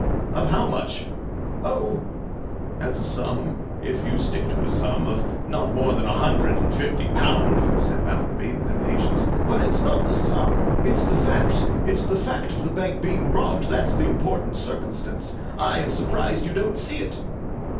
'Of how much?' 'Oh! as a sum—if you stick to a sum—of not more than a hundred and fifty pound,' said Bounderby, with impatience. 'But it's not the sum; it's the fact. It's the fact of the Bank being robbed, that's the important circumstance. I am surprised you don't see it.